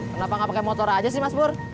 kenapa gak pake motor aja sih mas pur